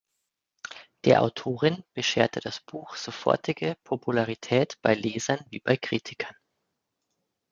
Der Autorin bescherte das Buch sofortige Popularität bei Lesern wie bei Kritikern.